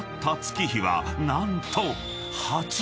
［何と］